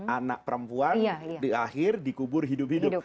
anak perempuan diakhir dikubur hidup hidup